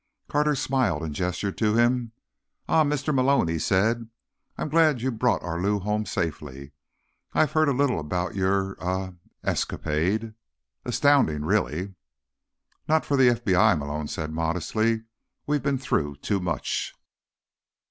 Carter smiled and gestured to him. "Ah, Mr. Malone," he said. "I'm glad you brought our Lou home safely. I've heard a little about your— ah—escapade. Astounding, really." "Not for the FBI," Malone said modestly. "We've been through too much."